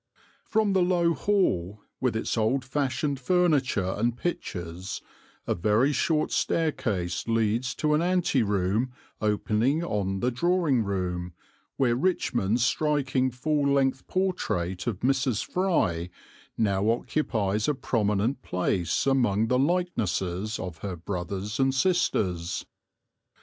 From the low hall, with its old fashioned furniture and pictures, a very short staircase leads to an ante room opening on the drawing room, where Richmond's striking full length portrait of Mrs. Fry, now occupies a prominent place among the likenesses of her brothers and sisters.